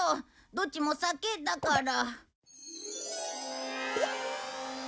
どっちもサケだから。